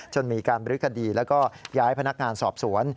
จนมีการบริคดีแล้วก็ย้ายพนักงานสอบสวน